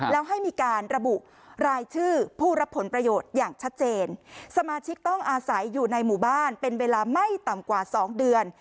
แล้วให้มีการระบุรายชื่อผู้รับผลประโยชน์อย่างชัดเจนสมาชิกต้องอาศัยอยู่ในหมู่บ้านเป็นเวลาไม่ต่ำกว่าสองเดือน